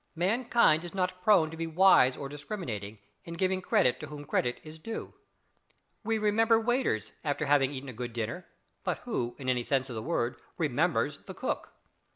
Mankind is not prone to be wise or discriminating, in giving credit to whom credit is due. We "remember" waiters after having eaten a good dinner, but who, in any sense of the word, "remembers" the cook?